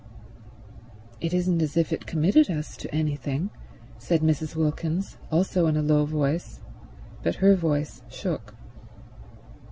"It isn't as if it committed us to anything," said Mrs. Wilkins, also in a low voice, but her voice shook.